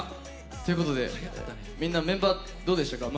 ということでみんなメンバーどうでしたか？